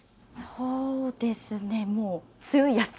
そうですねもう強いやつ。